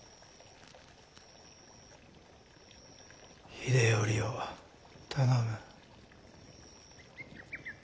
秀頼を頼む。